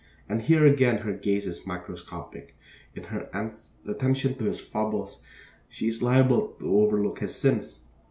And here again her gaze is microscopic. In her attention to his foibles she is liable to overlook his sins.